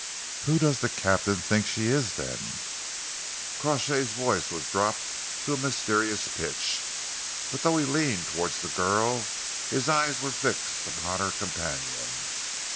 "Who does the captain think she is, then?" Crawshay's voice was dropped to a mysterious pitch, but though he leaned towards the girl, his eyes were fixed upon her companion.